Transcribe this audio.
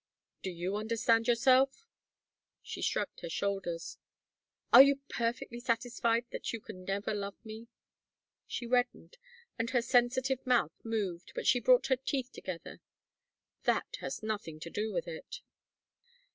"Do you understand yourself?" She shrugged her shoulders. "Are you perfectly satisfied that you never could love me?" She reddened and her sensitive mouth moved, but she brought her teeth together. "That has nothing to do with it."